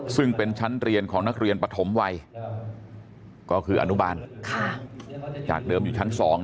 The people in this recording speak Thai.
ซึ่งเป็นชั้นเรียนของนักเรียนปฐมวัยก็คืออนุบาลจากเดิมอยู่ชั้น๒